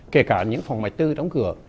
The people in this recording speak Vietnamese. kể cả những phòng mạch tư đóng cửa